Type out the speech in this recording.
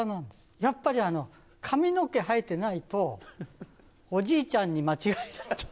やっぱり髪の毛生えてないと、おじいちゃんに間違えられちゃう。